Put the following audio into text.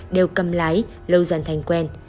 đều cầm lái lâu dần thành quen